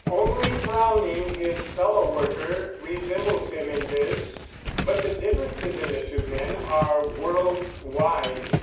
Only Browning, his fellow worker, resembles him in this; but the differences in the two men are world wide.